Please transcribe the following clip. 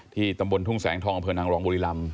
ที่ตำบลทุ่งแสงทองเผือนังรองบุรีรำ